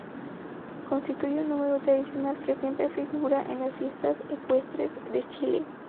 Constituye un número tradicional que siempre figura en las fiestas ecuestres de Chile.